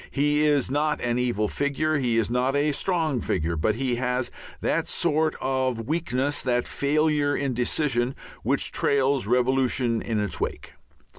He is not an evil figure, he is not a strong figure, but he has that sort of weakness, that failure in decision, which trails revolution in its wake.